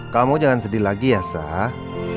kamu jangan sedih lagi ya sah